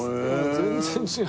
全然違う。